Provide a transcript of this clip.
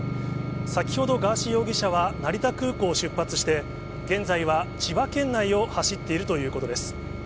先ほど、ガーシー容疑者は成田空港を出発して、現在は千葉県内を走っているということです。